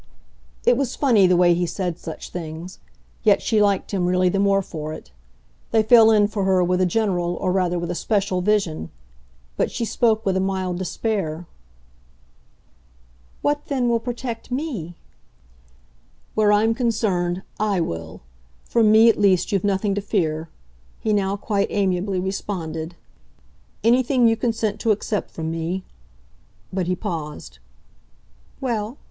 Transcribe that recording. It was funny, the way he said such things; yet she liked him, really, the more for it. They fell in for her with a general, or rather with a special, vision. But she spoke with a mild despair. "What then will protect ME?" "Where I'm concerned I will. From me at least you've nothing to fear," he now quite amiably responded. "Anything you consent to accept from me " But he paused. "Well?"